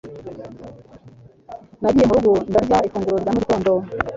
Nagiye murugo ndarya ifunguro rya mu gitondo